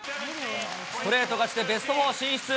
ストレート勝ちでベスト４進出。